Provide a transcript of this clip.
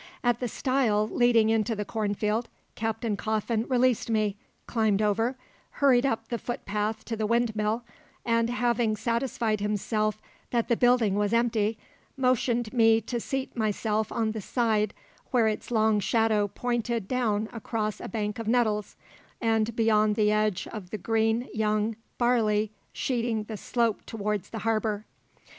At the stile leading into the cornfield, Captain Coffin released me, climbed over, hurried up the footpath to the windmill, and, having satisfied himself that the building was empty, motioned me to seat myself on the side where its long shadow pointed down across a bank of nettles, and beyond the edge of the green young barley sheeting the slope towards the harbour.